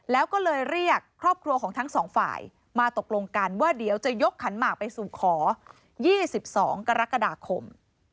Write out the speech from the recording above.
แล้วก็เลยเรียกครอบครัวของทั้งสองฝ่ายมาตกลงกันว่าเดี๋ยวจะยกขันหมากไปสู่ขอ๒๒กรกฎาคม